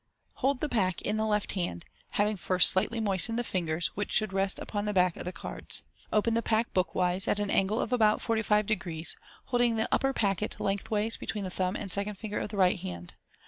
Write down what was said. — Hold the pack in the left hand, having first slightly moistened the fingers, which should rest upon the back of the cards. O pen the p ack bookwise, at an an gle of about 450, holding the upper i<ia *& packet lengthways between the thumb and second finger of the right hand.